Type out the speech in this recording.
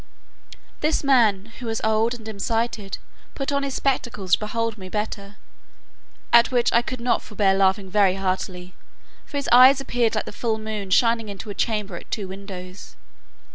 This man, who was old and dim sighted, put on his spectacles to behold me better; at which I could not forbear laughing very heartily, for his eyes appeared like the full moon shining into a chamber at two windows.